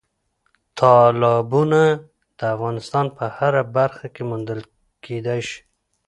تالابونه د افغانستان په هره برخه کې موندل کېدای شي.